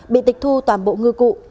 vị tịch thu toàn bộ ngư cụ